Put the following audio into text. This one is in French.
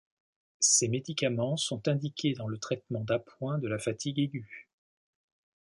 Ces médicaments sont indiqués dans le traitement d'appoint de la fatigue aiguë.